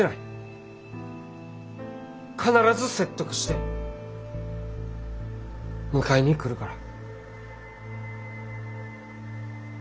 必ず説得して迎えに来るから。